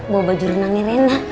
bawa baju renangnya rena